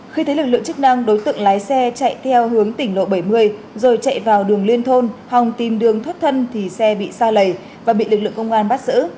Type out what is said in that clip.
khi thấy lực lượng chức năng đối tượng lái xe chạy theo hướng tỉnh lộ bảy mươi rồi chạy vào đường liên thôn hòng tìm đường thoát thân thì xe bị xa lầy và bị lực lượng công an bắt giữ